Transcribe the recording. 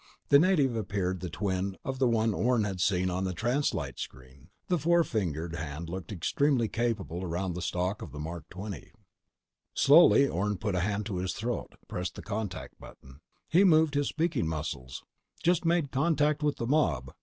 The native appeared the twin of the one Orne had seen on the translite screen. The four fingered hand looked extremely capable around the stock of the Mark XX. Slowly, Orne put a hand to his throat, pressed the contact button. He moved his speaking muscles: _"Just made contact with the mob.